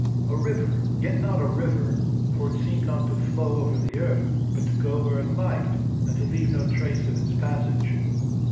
A river, yet not a river, for it seemed not to flow over the earth, but to go where it liked, and to leave no trace of its passage.